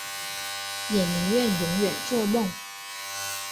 也宁愿永远作梦